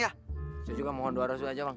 saya juga mohon doa rasul aja bang